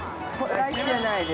◆ライチじゃないです。